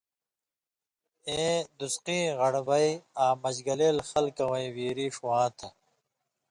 اېں دُسقیں غن٘ڑبَیں آں مژگلېل خلکَیں ویری ݜُون٘واں تھہ؛